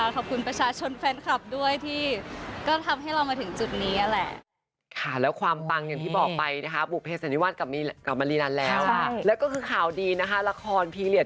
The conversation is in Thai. ขอบคุณทุกคนนะคะขอบคุณประชาชนแฟนคลับด้วย